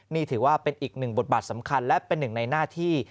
นี่ถือว่าเป็นอีกหนึ่งบทบาทสำคัญและเป็นหนึ่งในหน้าที่